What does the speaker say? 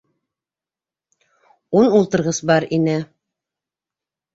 Ун ултырғыс бар ине!